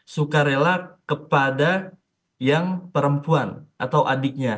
sukarela kepada yang perempuan atau adiknya